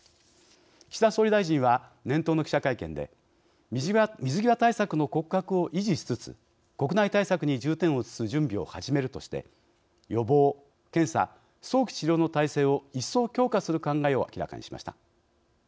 岸田総理大臣は年頭の記者会見で「水際対策の骨格を維持しつつ国内対策に重点を移す準備を始める」として予防・検査・早期治療の体制を一層、強化する考えを明らかにしました。